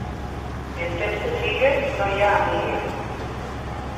En temps de figues no hi ha amigues.